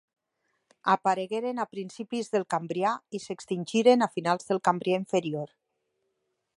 Aparegueren a principis del Cambrià i s'extingiren a finals del Cambrià inferior.